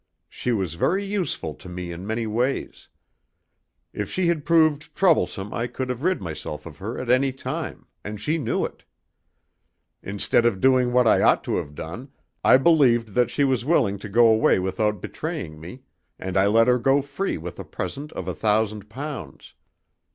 She was very useful to me in many ways. If she had proved troublesome I could have rid myself of her at any time, and she knew it. Instead of doing what I ought to have done, I believed that she was willing to go away without betraying me, and I let her go free with a present of a thousand pounds.